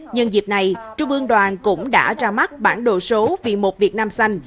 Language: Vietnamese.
nhân dịp này trung ương đoàn cũng đã ra mắt bản đồ số vì một việt nam xanh